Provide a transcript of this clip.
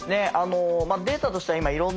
データとしては今いろんな。